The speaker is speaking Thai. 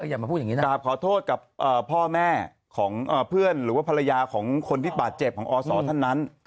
อย่ามาพูดอย่างนี้นะกราบขอโทษกับพ่อแม่ของเพื่อนหรือว่าภรรยาของคนที่บาดเจ็บของอศท่านนั้น